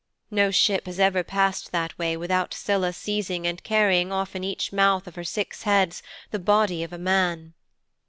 No ship has ever passed that way without Scylla seizing and carrying off in each mouth of her six heads the body of a man."'